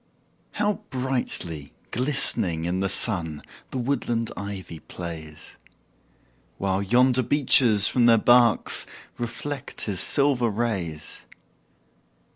How brightly glistening in the sun The woodland ivy plays! While yonder beeches from their barks Reflect his silver rays.